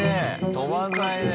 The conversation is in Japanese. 止まんないねぇ。